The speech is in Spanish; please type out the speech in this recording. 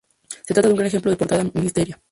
Se trata de un gran ejemplo de portada manierista.